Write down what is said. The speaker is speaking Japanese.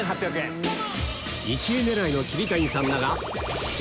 １位狙いの桐谷さん